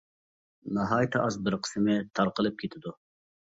ناھايىتى ئاز بىر قىسمى تارقىلىپ كېتىدۇ.